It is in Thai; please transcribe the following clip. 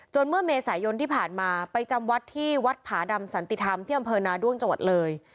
เมื่อเมษายนที่ผ่านมาไปจำวัดที่วัดผาดำสันติธรรมที่อำเภอนาด้วงจังหวัดเลย